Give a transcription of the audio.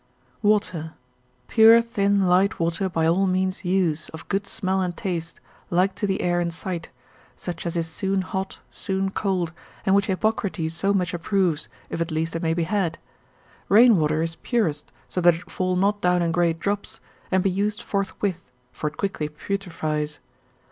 Water.] Pure, thin, light water by all means use, of good smell and taste, like to the air in sight, such as is soon hot, soon cold, and which Hippocrates so much approves, if at least it may be had. Rain water is purest, so that it fall not down in great drops, and be used forthwith, for it quickly putrefies.